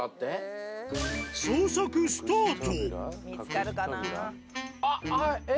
捜索スタート。